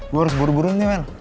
gue harus buru buruin nih mel